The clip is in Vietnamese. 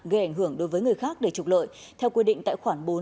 ghẻ hưởng đối với người khác để trục lợi theo quyết định tại khoản bốn